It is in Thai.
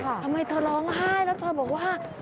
ทำไมเธอร้องไห้แล้วเธอบอกว่า